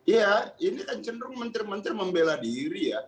ya ini kan cenderung menteri menteri membela diri ya